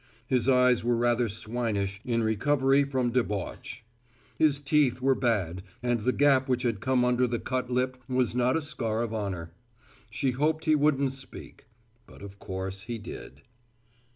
His eyes were rather swinish in recovery from debauch. His teeth were bad and the gap which had come under the cut lip was not a scar of honor. She hoped he wouldn't speak but of course he did.